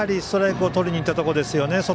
ストライクをとりにいったところですよね。